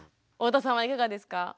太田さんはいかがですか？